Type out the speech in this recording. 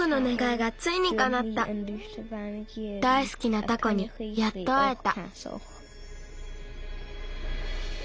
だいすきなタコにやっとあえた。